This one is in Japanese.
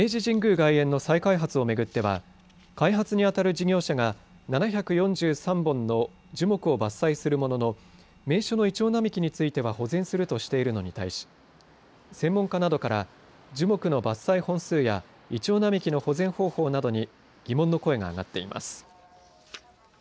外苑の再開発を巡っては開発にあたる事業者が７４３本の樹木を伐採するものの名所のイチョウ並木については保全するとしているのに対し専門家などから樹木の伐採本数やイチョウ並木の保全方法などに疑問の声が上がっています。